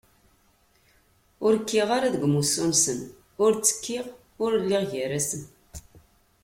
Ur kkiɣ ara deg umussu-nsen, ur ttekkiɣ! Ur lliɣ gar-asen!